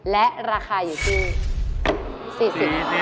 และราคาอยู่ที่